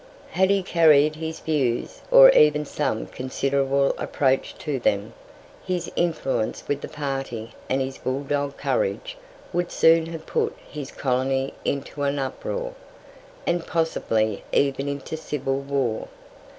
Had he carried his views, or even some considerable approach to them, his influence with the party, and his bull dog courage, would soon have put his colony into an uproar, and possibly even into civil war.